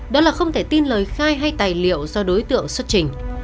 đó là không thể tin lời khai hay tài liệu do đối tượng xuất trình